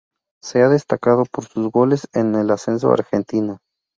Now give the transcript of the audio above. Se ha destacado por sus goles en el ascenso argentino.